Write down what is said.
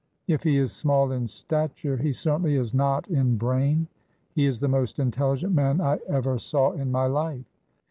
If he is small in stature, he certainly is not in brain. He is the most intelligent man I ever saw in my life.